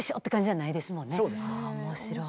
あ面白い。